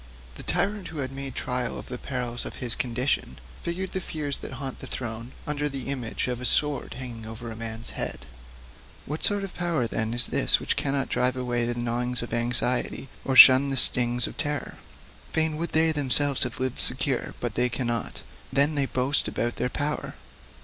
The tyrant who had made trial of the perils of his condition figured the fears that haunt a throne under the image of a sword hanging over a man's head.[G] What sort of power, then, is this which cannot drive away the gnawings of anxiety, or shun the stings of terror? Fain would they themselves have lived secure, but they cannot; then they boast about their power!